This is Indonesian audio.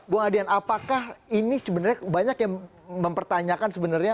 bung adian apakah ini sebenarnya banyak yang mempertanyakan sebenarnya